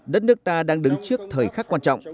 đất nước ta đang đứng trước thời khắc quan trọng